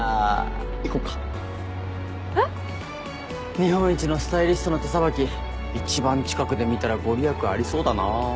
日本一のスタイリストの手さばき一番近くで見たら御利益ありそうだな。